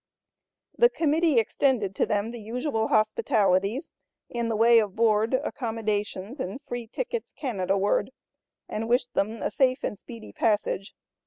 The Committee extended to them the usual hospitalities, in the way of board, accommodations, and free tickets Canadaward, and wished them a safe and speedy passage.